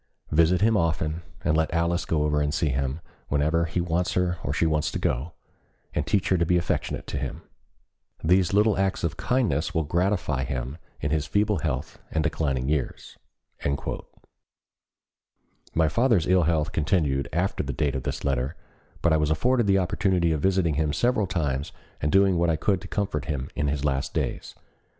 Visit him often, and let Alice go over to see him whenever he wants her or she wants to go, and teach her to be affectionate to him. These little acts of kindness will gratify him in his feeble health and declining years." My father's ill health continued after the date of this letter, but I was afforded the opportunity of visiting him several times and doing what I could to comfort him in his last days.